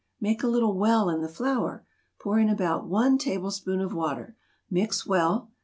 Make a little 'well' in the flour. Pour in about one tablespoon of water. Mix well.